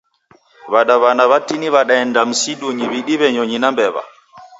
Wadawana watini wadaenda msidunyi widiwe nyonyi na mbewa